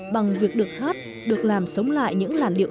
bằng việc được hát được làm sống lại những làn điệu